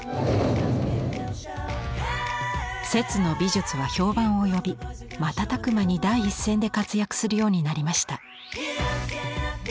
摂の美術は評判を呼び瞬く間に第一線で活躍するようになりました。